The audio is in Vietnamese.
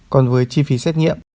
còn với chi phí xét nghiệm